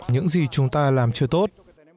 những gì chúng ta làm chưa tốt